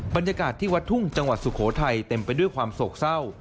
บรรยากาศที่วัดทุ่งจังหวัดสุโขทัยเต็มไปด้วยความโศกเศร้า